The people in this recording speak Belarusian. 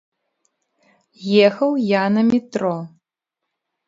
Ехаў я на метро.